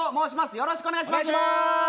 よろしくお願いします！